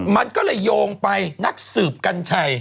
มันก็เลยโยงไปนักสืบกัญชัย